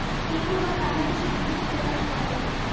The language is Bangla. কেহ বা তাহাতে সন্দেহ প্রকাশ করে।